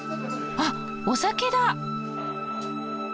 あっお酒だ！